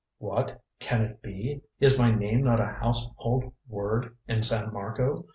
"What? Can it be? Is my name not a household word in San Marco?